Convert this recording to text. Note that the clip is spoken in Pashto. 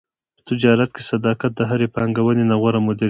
په تجارت کې صداقت د هرې پانګونې نه غوره دی.